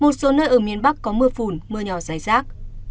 một số nơi ở miền bắc có mưa phùn mưa nhỏ dài rác